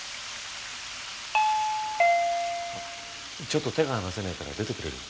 ちょっと手が離せないから出てくれる？